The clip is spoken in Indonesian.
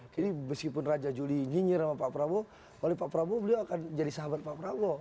jadi meskipun raja juli nyinyir sama pak prabowo oleh pak prabowo beliau akan jadi sahabat pak prabowo